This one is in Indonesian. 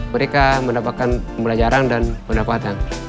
mereka mendapatkan pembelajaran dan pendapatan